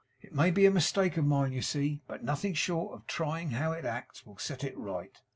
It may be a mistake of mine you see, but nothing short of trying how it acts will set it right.